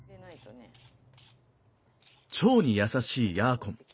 腸に優しいヤーコン。